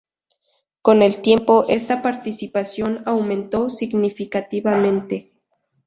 Con el tiempo, esta participación aumentó significativamente.